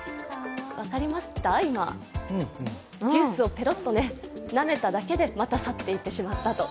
ジュースをペロッとなめただけでまた去っていってしまったと。